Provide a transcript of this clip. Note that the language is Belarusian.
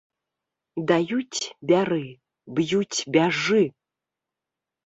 Даюць, бяры, б'юць, бяжы!